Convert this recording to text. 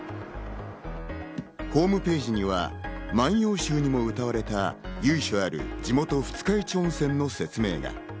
ホームページには『万葉集』にも詠われた由緒ある地元・二日市温泉の説明が。